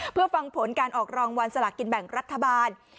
เพื่อฟังผลการออกรางวัลสลากินแบ่งรัฐบาล